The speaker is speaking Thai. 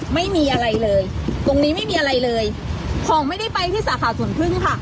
ไม่มีอะไรเลยตรงนี้ไม่มีอะไรเลยของไม่ได้ไปที่สาขาสวนพึ่งค่ะ